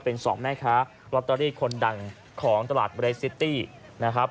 เป็นสองแม่ค้าลอตเตอรี่คนดังของตลาดเรสซิตี้นะครับ